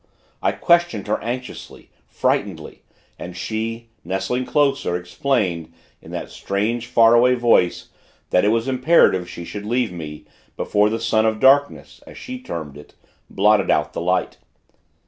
I questioned her, anxiously, frightenedly; and she, nestling closer, explained, in that strange, faraway voice, that it was imperative she should leave me, before the Sun of Darkness as she termed it blotted out the light.